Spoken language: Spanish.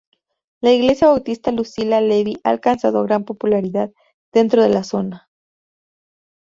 La Iglesia Bautista Lucila Levi ha alcanzado gran popularidad dentro de la zona.